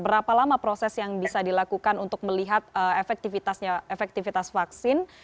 berapa lama proses yang bisa dilakukan untuk melihat efektivitas vaksin